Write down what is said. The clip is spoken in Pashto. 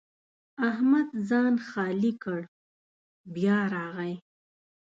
احمد ځان خالي کړ؛ بیا راغی.